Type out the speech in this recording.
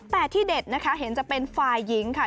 แต่ที่เด็ดนะคะเห็นจะเป็นฝ่ายหญิงค่ะ